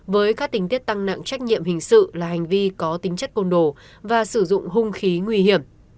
với các tình tiết tăng nặng trách nhiệm hình sự là hành vi có tính chất côn đồ và sử dụng hung khí nguy hiểm